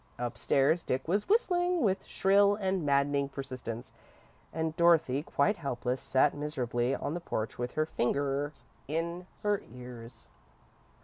Upstairs, Dick was whistling, with shrill and maddening persistence, and Dorothy, quite helpless, sat miserably on the porch with her fingers in her ears.